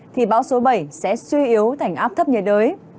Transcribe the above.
thì bão số bảy sẽ suy yếu thành áp thấp nhiệt đới